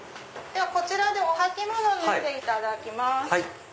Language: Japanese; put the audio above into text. こちらでお履物脱いでいただきます。